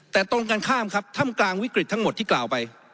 แต่ตรงกันข้ามครับถ้ำกลางวิกฤตทั้งหมดที่กล่าวไป